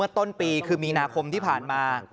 ต้นปีคือมีนาคมที่ผ่านมา